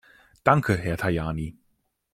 Danke, Herr Tajani.